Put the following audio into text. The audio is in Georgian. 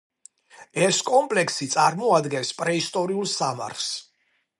ეს კომპლექსი წარმოადგენს პრეისტორიულ სამარხს.